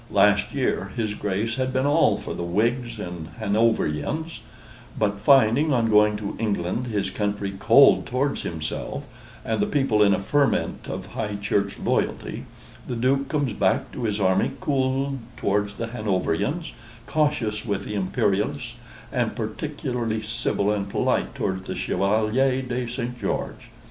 Last year his Grace had been all for the Whigs and Hanoverians; but finding, on going to England, his country cold towards himself, and the people in a ferment of High Church loyalty, the Duke comes back to his army cooled towards the Hanoverians, cautious with the Imperialists, and particularly civil and polite towards the Chevalier de St. George.